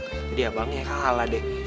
jadi abangnya kalah deh